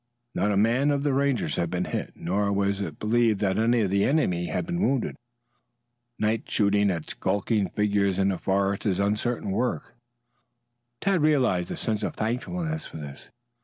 Not a man of the Rangers had been hit, nor was it believed that any of the enemy had been wounded. Night shooting at skulking figures in a forest is uncertain work. Tad realized a sense of thankfulness for this.